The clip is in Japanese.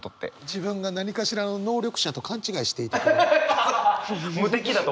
自分が何かしらの能力者と勘違いしていたころ。